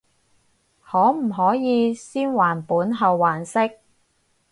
可唔可以先還本後還息？